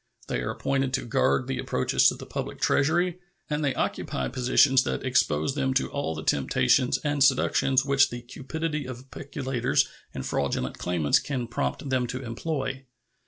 They are appointed to guard the approaches to the public Treasury, and they occupy positions that expose them to all the temptations and seductions which the cupidity of peculators and fraudulent claimants can prompt them to employ.